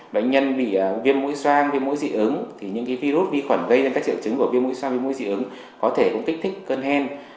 bệnh nhân bị viêm mũi xoang viêm mũi dị ứng thì những cái virus vi khuẩn gây ra các triệu chứng của viêm mũi xoang viêm mũi dị ứng có thể cũng kích thích cân hen